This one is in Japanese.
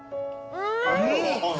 うん！